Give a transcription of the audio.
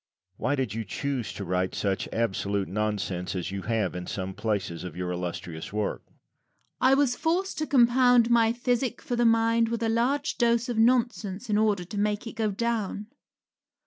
Why did you choose to write such absolute nonsense as you have in some places of your illustrious work? Rabelais. I was forced to compound my physic for the mind with a large dose of nonsense in order to make it go down.